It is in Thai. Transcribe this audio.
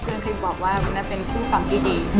เพื่อนที่บอกว่ามันน่ะเป็นผู้ฟังที่ดี